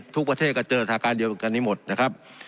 ทุกประเทศก็เจอสถานการณ์เดียวกันนี้หมดนะครับ